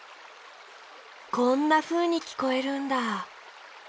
こんなふうにきこえるんだ。